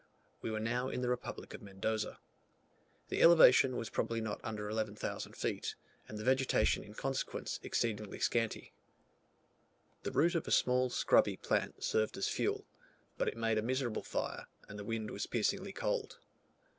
We were now in the republic of Mendoza. The elevation was probably not under 11,000 feet, and the vegetation in consequence exceedingly scanty. The root of a small scrubby plant served as fuel, but it made a miserable fire, and the wind was piercingly cold.